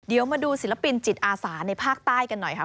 เดี๋ยวมาดูศิลปินจิตอาสาในภาคใต้กันหน่อยค่ะ